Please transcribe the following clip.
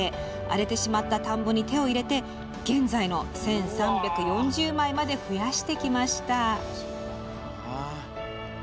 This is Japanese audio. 荒れてしまった田んぼに手を入れて現在の１３４０枚まで増やしてきました。